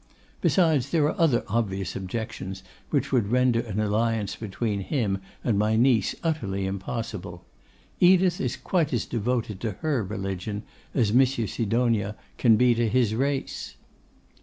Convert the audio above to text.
Besides, there are other obvious objections which would render an alliance between him and my niece utterly impossible: Edith is quite as devoted to her religion as Monsieur Sidonia can be to his race.